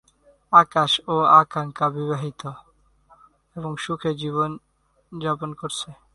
আকাশ ও আকাঙ্ক্ষা বিবাহিত এবং সুখে জীবন যাপন করছে।